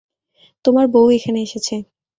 তোমার বউ এখানে এসেছে।